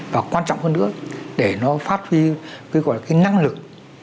và quan trọng hơn nữa để nó phát huy năng lực